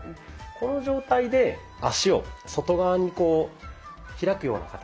この状態で足を外側にこう開くような形。